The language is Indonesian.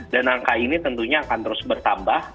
dan angka ini tentunya akan terus bertambah